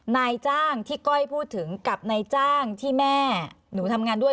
นายจ้างที่ก้อยพูดถึงกับนายจ้างที่แม่หนูทำงานด้วย